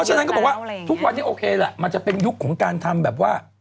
ฉะนั้นก็บอกว่าทุกวันนี้โอเคล่ะมันจะเป็นยุคของการทำแบบว่า